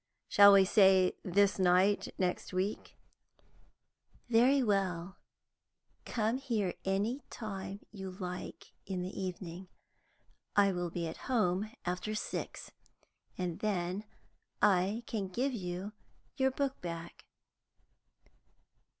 "Shall we say this night next week?" "Very well. Come here any time you like in the evening. I will be at home after six. And then I can give you your book back."